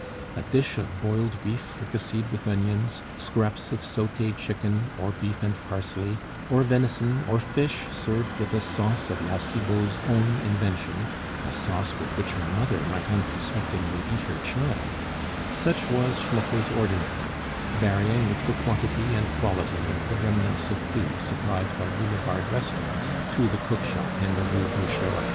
A dish of boiled beef fricasseed with onions, scraps of saute chicken, or beef and parsley, or venison, or fish served with a sauce of La Cibot's own invention (a sauce with which a mother might unsuspectingly eat her child), such was Schmucke's ordinary, varying with the quantity and quality of the remnants of food supplied by boulevard restaurants to the cook shop in the Rue Boucherat.